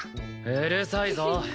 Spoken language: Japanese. うるさいぞ。